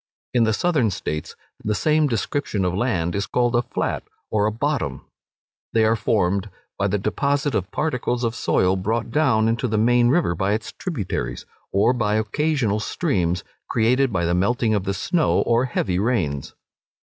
In the Southern States the same description of land is called a flat, or a bottom. They are formed by the deposit of particles of soil brought down into the main river by its tributaries, or by occasional streams created by the melting of the snow, or heavy rains.